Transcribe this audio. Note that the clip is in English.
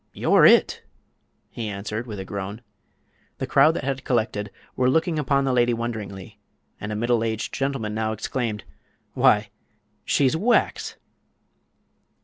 "You're it!" he answered, with a groan. The crowd that had collected were looking upon the lady wonderingly, and a middle aged gentleman now exclaimed: "Why, she's wax!"